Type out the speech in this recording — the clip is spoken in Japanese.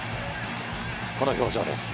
この表情です。